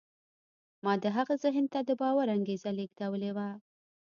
ما د هغه ذهن ته د باور انګېزه لېږدولې وه.